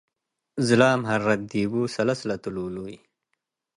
ዝላም ሀረት ድቡ - ሰለስ ለትሉሉይ